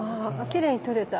きれいに撮れた。